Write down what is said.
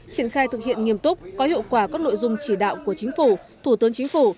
triển khai thực hiện nghiêm túc có hiệu quả các nội dung chỉ đạo của chính phủ thủ tướng chính phủ